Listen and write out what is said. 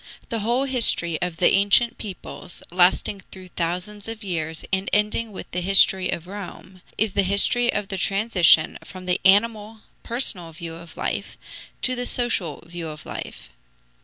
The whole history of the ancient peoples, lasting through thousands of years and ending with the history of Rome, is the history of the transition from the animal, personal view of life to the social view of life.